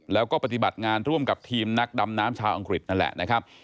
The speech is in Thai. แล้วก็ปฏิบัติงานร่วมกับทีมนักดำน้ำชาวอังกฤษนั่นแหละนะครับ